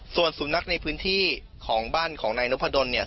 ส่วนสุนัขในพื้นที่ของบ้านของนายนพดลเนี่ย